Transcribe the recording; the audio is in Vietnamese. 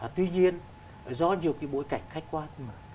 tuy nhiên do nhiều cái bối cảnh khách quan